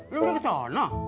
lu udah kesana